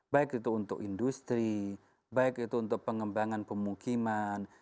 baik itu untuk industri baik itu untuk pengembangan pemukiman